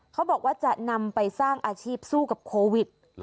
เขาบอกว่าจะนำไปสร้างอาชีพสู้กับโควิด